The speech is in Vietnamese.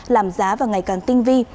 làm giá và ngày càng tinh vi